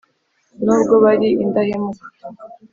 nubwo bari indahemuka